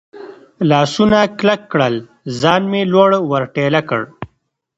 لاسونه کلک کړل، ځان مې لوړ ور ټېله کړ.